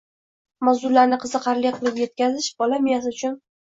mavzularni qiziqarli qilib yetkazish bola miyasi uchun